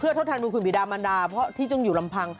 เพื่อทศทานบุคลุมบิดามรรณา